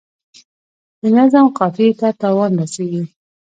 د نظم قافیې ته تاوان رسیږي.